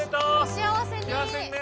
幸せにね！